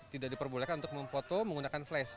tidak diperbolehkan untuk memfoto menggunakan flash